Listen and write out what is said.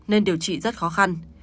nên điều trị rất khó khăn